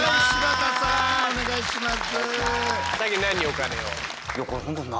お願いします。